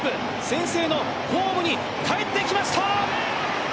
先制のホームに帰ってきました！